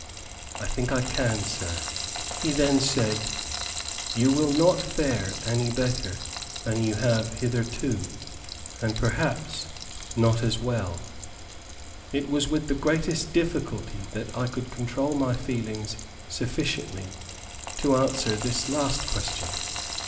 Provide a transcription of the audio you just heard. "I think I can, sir." He then said, "You will not fare any better than you have hitherto, and perhaps not as well." It was with the greatest difficulty that I could control my feelings sufficiently to answer this last question.